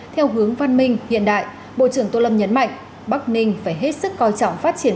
theo hướng văn minh hiện đại bộ trưởng tô lâm nhấn mạnh bắc ninh phải hết sức coi trọng phát triển